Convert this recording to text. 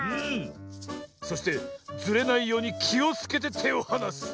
そしてずれないようにきをつけててをはなす。